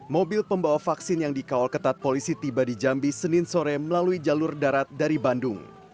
mobil pembawa vaksin yang dikawal ketat polisi tiba di jambi senin sore melalui jalur darat dari bandung